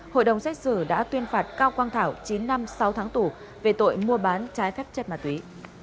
hội đồng xét xử đã tuyên phạt cao quang thảo chín năm sáu tháng tù về tội mua bán trái phép chất ma túy